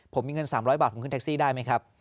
ผมมีเงิน๓๐๐บาทผมขึ้นแท็กซี่ได้ไหมครับ